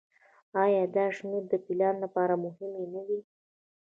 آیا دا شمیرې د پلان لپاره مهمې نه دي؟